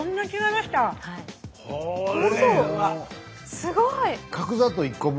すごい！